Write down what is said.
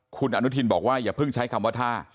คุณอนุทินบอกว่าอย่าเพิ่งใช้คำว่าท่า